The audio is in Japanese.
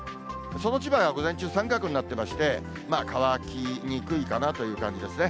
その千葉が午前中、三角になってまして、まあ乾きにくいかなという感じですね。